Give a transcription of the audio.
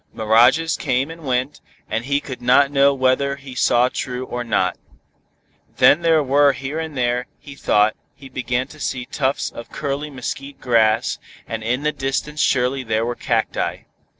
Mirages came and went, and he could not know whether he saw true or not. Then here and there he thought he began to see tufts of curly mesquite grass, and in the distance surely there were cacti.